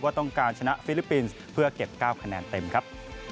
ต้องการชนะฟิลิปปินส์เพื่อเก็บ๙คะแนนเต็มครับ